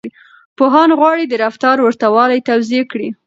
پوهان غواړي د رفتار ورته والی توضيح کړي.